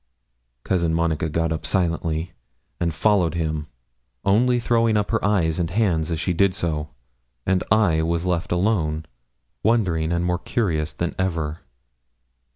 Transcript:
Cousin Monica got up silently and followed him, only throwing up her eyes and hands as she did so, and I was left alone, wondering and curious more than ever.